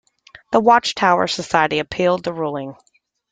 The Watch Tower Society appealed the ruling.